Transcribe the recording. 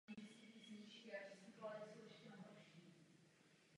Občas se ve značení dává symbol pro vektorový prostor do závorek.